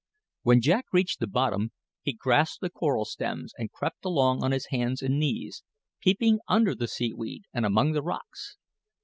When Jack reached the bottom, he grasped the coral stems and crept along on his hands and knees, peeping under the seaweed and among the rocks.